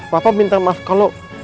papa minta maaf kalau